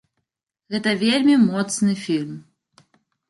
Гэта вельмі моцны фільм.